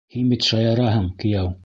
Һин бит шаяраһың, кейәү.